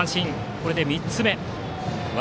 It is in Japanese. これで３つ目。